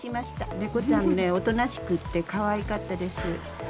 猫ちゃんね、おとなしくってかわいかったです。